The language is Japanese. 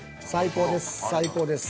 最高です。